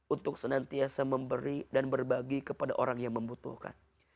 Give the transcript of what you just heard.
untuk senantiasa memberi dan berbagi kepada orang yang membutuhkan